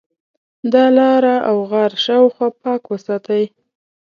د ا لاره او غار شاوخوا پاک وساتئ.